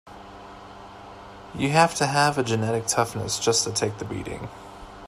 You have to have a genetic toughness just to take the beating.